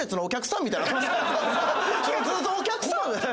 ずっとお客さん？